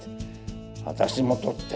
私も撮って！